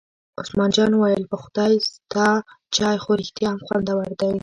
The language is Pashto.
عثمان جان وویل: په خدای ستا چای خو رښتیا هم خوندور دی.